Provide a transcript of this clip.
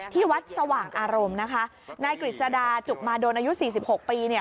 ที่วัดสว่างอารมณ์นะคะนายกฤษดาจุกมาโดนอายุสี่สิบหกปีเนี่ย